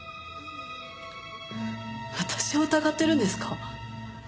私を疑ってるんですか？